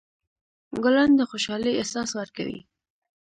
ګلان د خوشحالۍ احساس ورکوي.